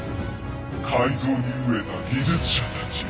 改造に飢えた技術者たちよ